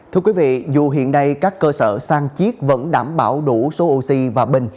thưa quý vị dù hiện nay các cơ sở sang chiếc vẫn đảm bảo đủ số oxy và bình